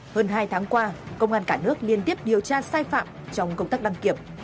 hơn hai tháng qua công an cả nước liên tiếp điều tra sai phạm trong công tác đăng kiểm